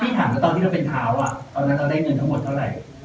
ถามว่าตอนที่เราเป็นเท้าตอนนั้นเราได้เงินทั้งหมดเท่าไหร่